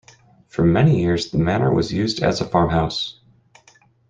For many years the manor was used as a farmhouse.